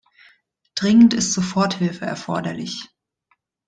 Dringend ist Soforthilfe erforderlich.